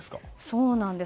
そうなんです。